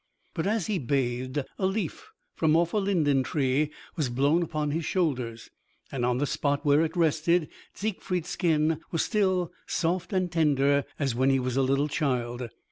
But as he bathed, a leaf from off a linden tree was blown upon his shoulders, and on the spot where it rested Siegfried's skin was still soft and tender as when he was a little child.